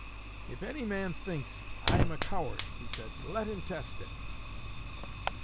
"If any man thinks I am a coward," said he, "let him test it."